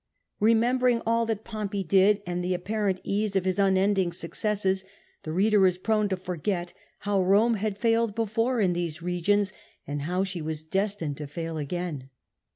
Ee membering all that Pompey did, and the apparent ease of his unending successes, the reader is prone to forget how Eome had failed before in these regions, and how she was destined to fail again.